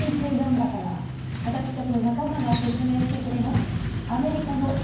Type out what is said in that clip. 私たちの仲間が説明してくれます。